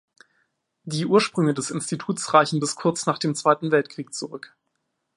Die Ursprünge des Instituts reichen bis kurz nach dem Zweiten Weltkrieg zurück.